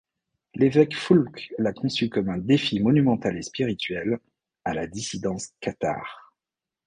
L'évêque Foulques la conçut comme un défi monumental et spirituel à la dissidence cathare.